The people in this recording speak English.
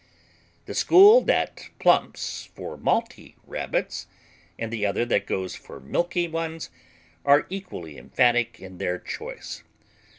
The school that plumps for malty Rabbits and the other that goes for milky ones are equally emphatic in their choice.